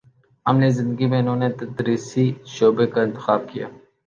عملی زندگی میں انہوں نے تدریسی شعبے کا انتخاب کیا